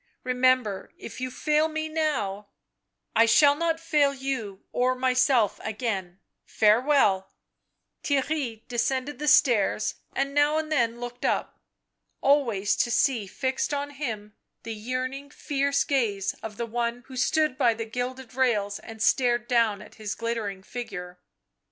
" Remember, if you fail me now "" I shall not fail you or myself again — farewell." Theirry descended the stairs and now and then looked up. Always to see fixed on him the yearning, fierce gaze of the one who stood by the gilded rails and stared down at his glittering figure.